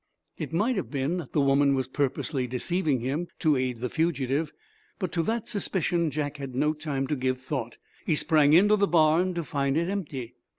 It might have been that the woman was purposely deceiving him, to aid the fugitive, but to that suspicion Jack had no time to give thought. He sprang into the barn to find it empty.